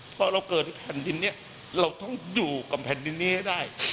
พอเราเกิดแผ่นดินนี้เราต้องอยู่กับแผ่นดินนี้ให้ได้